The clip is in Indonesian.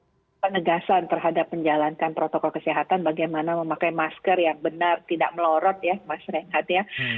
lagi perkembangan yang paling penting adalah ketegasan terhadap menjalankan protokol kesehatan bagaimana memakai masker yang benar tidak melorot ya mas ringat ya